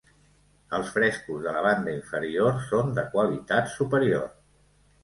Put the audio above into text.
Els frescos de la banda inferior són de qualitat superior.